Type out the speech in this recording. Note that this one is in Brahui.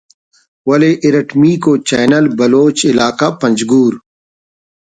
ولے ارٹمیکو چینل بلوچ علاقہ پنجگور